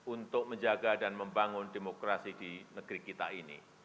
untuk menjaga dan membangun demokrasi di negeri kita ini